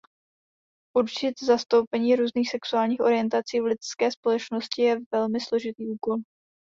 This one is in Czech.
Určit zastoupení různých sexuálních orientací v lidské společnosti je velmi složitý úkol.